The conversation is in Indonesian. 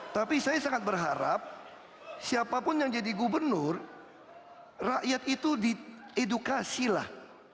tapi saya sangat berharap siapapun yang jadi gubernur rakyat itu diedukasi lah